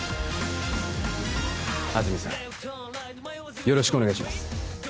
安住さんよろしくお願いします